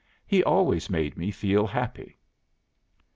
He always made me feel happy."